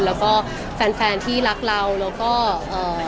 แล้วก็แฟนที่รักเราแล้วเขาเรียกว่า